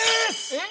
えっ？